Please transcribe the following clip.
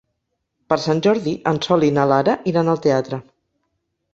Per Sant Jordi en Sol i na Lara iran al teatre.